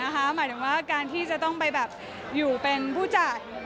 หมายถึงว่าการที่จะต้องไปอยู่เป็นผู้จัด